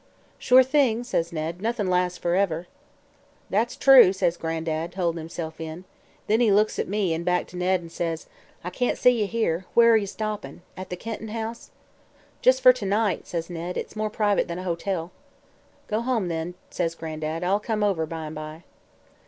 "'Sure thing,' says Ned. 'Noth'n' lasts forever.' "'That's true,' says Gran'dad, holdin' himself in. Then he looks at me, an' back to Ned, an' says: 'I can't see ye here. Where ye stoppin'? At the Kenton house?' "'Jes' fer to night,' says Ned. 'It's more private than a hotel.' "'Go home, then,' says Gran'dad. 'I'll come over, by 'n' by.'